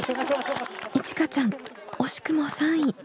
いちかちゃん惜しくも３位。